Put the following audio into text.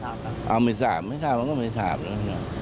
ไม่ทราบแล้วไม่ทราบไม่ทราบแล้วก็ไม่ทราบแล้ว